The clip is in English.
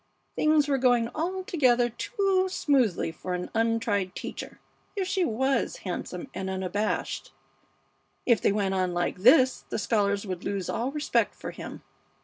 Things were going altogether too smoothly for an untried teacher, if she was handsome and unabashed. If they went on like this the scholars would lose all respect for him.